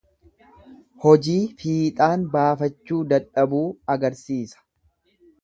Hojii fiixaan baafachuu dadhabuu agarsiisa.